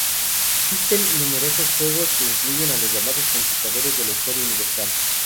Existen numerosos juegos que incluyen a los llamados conquistadores de la historia universal.